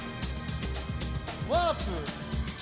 ワープ